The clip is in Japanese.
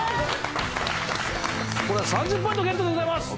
これは３０ポイントゲットでございます。